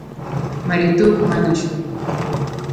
مریتوب منع شو.